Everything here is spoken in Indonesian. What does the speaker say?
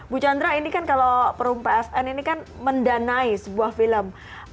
bu chandra ini kan kalau perum psn ini kan mendanai sebuah film